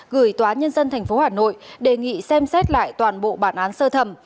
gửi tòa nhân dân tp hà nội đề nghị xem xét lại toàn bộ bản án sơ thẩm